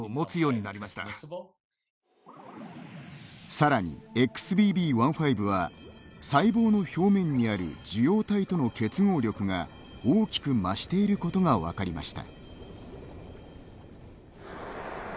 さらにＸＢＢ．１．５は細胞の表面にある受容体との結合力が大きく増していることが分かりました。